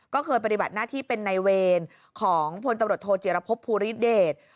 ก็เคยปฏิบัติหน้าที่เป็นในเวรของพลตำรวจโทจิรพบภูริเดช